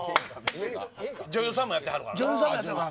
女優さんもやってはるから。なんて